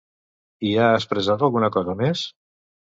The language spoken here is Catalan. Hi ha expressat alguna cosa més?